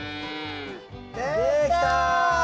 できた！